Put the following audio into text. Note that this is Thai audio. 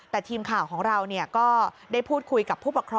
แต่ทีมข่าวของเราก็ได้พูดคุยกับผู้ปกครอง